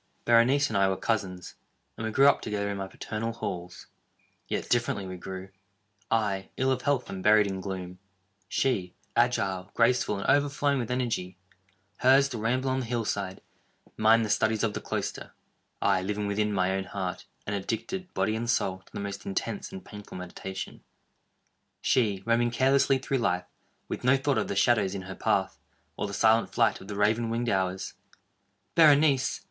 Berenice and I were cousins, and we grew up together in my paternal halls. Yet differently we grew—I, ill of health, and buried in gloom—she, agile, graceful, and overflowing with energy; hers, the ramble on the hill side—mine the studies of the cloister; I, living within my own heart, and addicted, body and soul, to the most intense and painful meditation—she, roaming carelessly through life, with no thought of the shadows in her path, or the silent flight of the raven winged hours. Berenice!